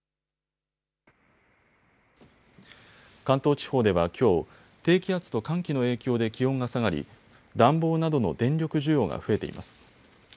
関東地方ではきょう、低気圧と寒気の影響で気温が下がり暖房などの電力需要が増えています。